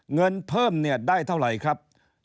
เงินเพิ่มเนี่ยได้เท่าไหร่ครับ